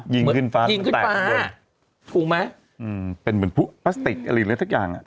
ยิงขึ้นฟ้ายิงแตกข้างบนถูกไหมอืมเป็นเหมือนผู้พลาสติกอะไรเลยสักอย่างอ่ะ